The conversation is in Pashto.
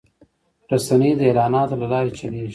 رسنۍ د اعلاناتو له لارې چلېږي